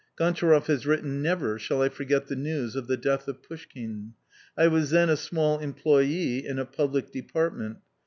Gon tcharoff has written :" Never shall I forget the news of the death of Pouschkine. I was then a small employ^ in a public department.